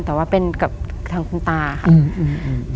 แต่ว่าเป็นกับทางคุณตาค่ะอืม